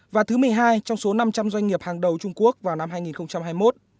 và thứ một mươi hai trong số năm trăm linh doanh nghiệp hàng đầu trung quốc vào năm hai nghìn hai mươi một